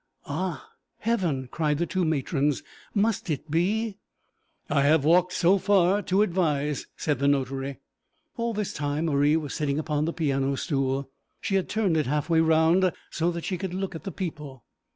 'Ah, Heaven!' cried the two matrons, 'must it be?' 'I have walked so far to advise,' said the notary. All this time Marie was sitting upon the piano stool; she had turned it half way round so that she could look at the people.